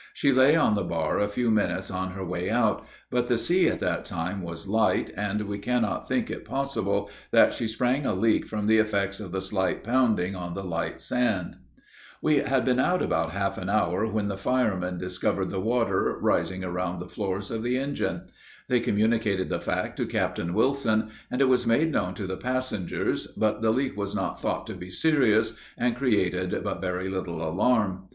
She lay on the bar a few minutes on her way out, but the sea at that time was light, and we cannot think it possible that she sprang a leak from the effects of the slight pounding on the light sand. [Illustration: LOSS OF THE MONTICELLO.] We had been out about half an hour, when the firemen discovered the water rising around the floors of the engine; they communicated the fact to Capt. Wilson, and it was made known to the passengers, but the leak was not thought to be serious, and created but very little alarm.